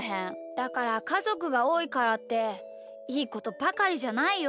だからかぞくがおおいからっていいことばかりじゃないよ。